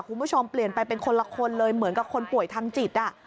คุณผู้ชมเปลี่ยนไปเป็นคนละคนเลยเหมือนกับคนป่วยทางจิต